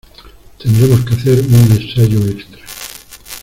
Tendremos que hacer un ensayo extra.